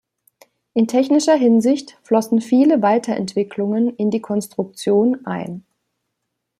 In technischer Hinsicht flossen viele Weiterentwicklungen in die Konstruktion ein.